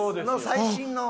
最新の。